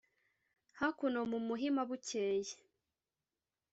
hákuno mu muhíma búkeye